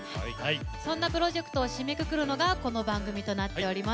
そんなプロジェクトを締めくくるのがこの番組となっております。